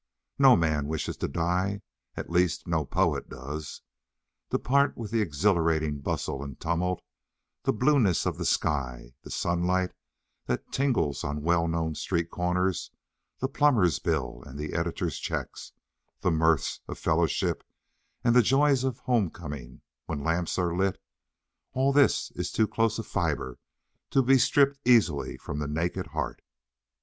No man wishes to die at least, no poet does. To part with the exhilarating bustle and tumult, the blueness of the sky, the sunlight that tingles on well known street corners, the plumber's bills and the editor's checks, the mirths of fellowship and the joys of homecoming when lamps are lit all this is too close a fibre to be stripped easily from the naked heart.